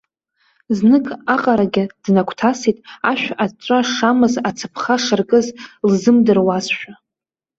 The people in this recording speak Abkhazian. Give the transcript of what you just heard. Знык аҟарагьы днагәҭасит, ашә аҵәҵәа шамаз, ацаԥха шаркыз лзымдыруазшәа.